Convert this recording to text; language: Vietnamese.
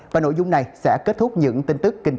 và nội dung này sẽ kết thúc những tin tức